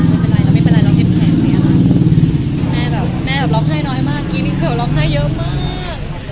ไม่เป็นไรเราไม่เป็นไรเราเห็นแผลไหมคะแม่แบบแม่แบบร้องไห้น้อยมากกี้มีเข่าร้องไห้เยอะมาก